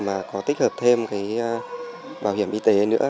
mà có tích hợp thêm cái bảo hiểm y tế nữa